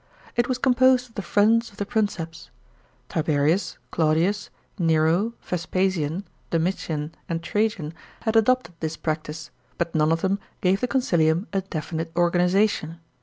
It was composed of the friends of the Princeps. Tiberius, Claudius, Nero, Vespasian, Domitian, and Trajan had adopted this practice, but none of them gave the consilium a definite organisation.